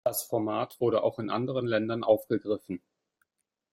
Das Format wurde auch in anderen Ländern aufgegriffen.